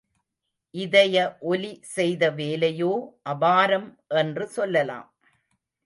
இதய ஒலி செய்த வேலையோ அபாரம் என்று சொல்லலாம்.